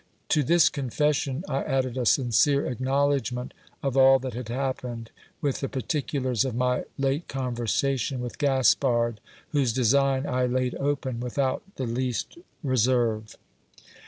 To this confession I added a sincere acknowledgment of all that had happened, with the par ticulars of my late conversation with Gaspard, whose design I laid open with out the least reserve.